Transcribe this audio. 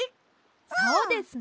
そうですね！